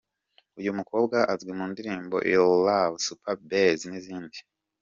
Uyu mukobwa azwi mu ndirimbo Your Love, Super Base n'izindi.